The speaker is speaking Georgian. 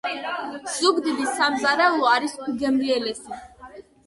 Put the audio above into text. ზუგდიდის სამზარეულო არის უგემრიელესი...